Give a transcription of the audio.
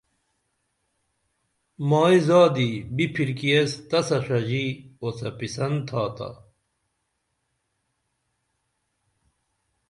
مائیں زادی بِپھرکی ایس تسہ ݜژی اوڅپی سن تھاتا